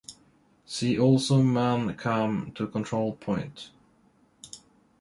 See also Man Kam To Control Point.